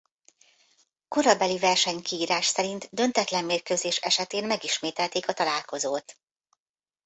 Korabeli versenykiírás szerint döntetlen mérkőzés esetén megismételték a találkozót.